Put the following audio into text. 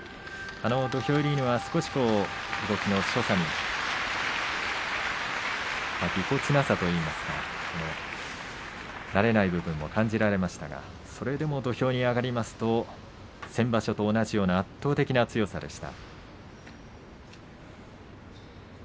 土俵入りの、少し動きの所作にぎこちなさといいますか慣れない部分も感じられましたがそれでも土俵に上がりますと先場所と同じような圧倒的な強さでした。